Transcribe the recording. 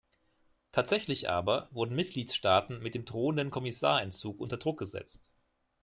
Tatsächlich aber wurden Mitgliedstaaten mit dem drohenden Kommissar-Entzug unter Druck gesetzt.